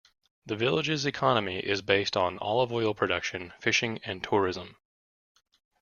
The village's economy is based on olive oil production, fishing and tourism.